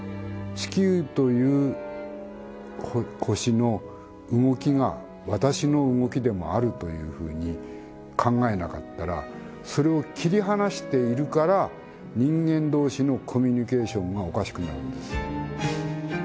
地球という星の動きがわたしの動きでもあるというふうに考えなかったらそれを切り離しているから人間同士のコミュニケーションがおかしくなるんです。